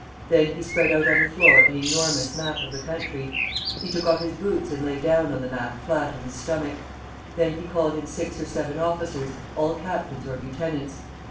Then he spread out on the floor an enormous map of the country. He took off his boots and lay down on the map flat on his stomach. Then he called in six or seven officers, all captains or lieutenants.